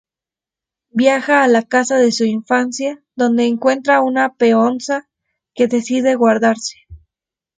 Viaja a la casa de su infancia, donde encuentra una peonza que decide guardarse.